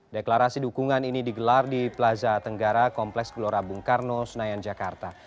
deklarasi dukungan ini digelar di plaza tenggara kompleks gelora bung karno senayan jakarta